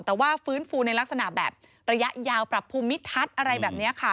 แต่ว่าฟื้นฟูในลักษณะแบบระยะยาวปรับภูมิทัศน์อะไรแบบนี้ค่ะ